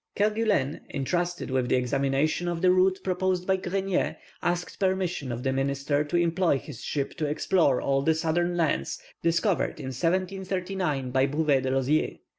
Kerguelen, entrusted with the examination of the route proposed by Grenier, asked permission of the minister to employ his ship to explore all the southern lands discovered in 1739 by Bouvet de Lozier.